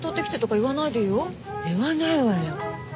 言わないわよ。